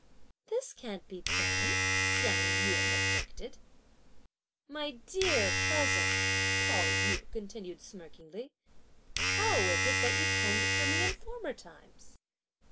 "This can't be done!" Hsiang yün objected. "My dear cousin," Pao yü continued smirkingly, "how is it that you combed it for me in former times?"